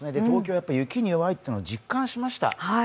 東京はやっぱ雪に弱いというのを実感しました。